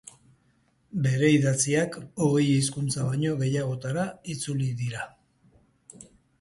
Bere idatziak hogei hizkuntza baino gehiagotara itzuli dira.